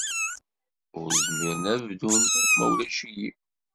Ur zmiren ad bdun ma ulac-iyi.